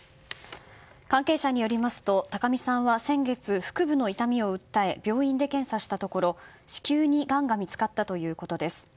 関係者によりますと高見さんは先月、腹部の痛みを訴え病院で検査したところ子宮にがんが見つかったということです。